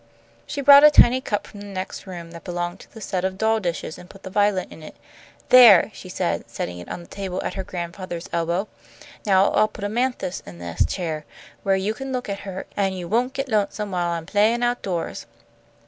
She brought a tiny cup from the next room, that belonged to the set of doll dishes, and put the violet in it. "There!" she said, setting it on the table at her grandfather's elbow. "Now I'll put Amanthis in this chair, where you can look at her, an' you won't get lonesome while I'm playing outdoors."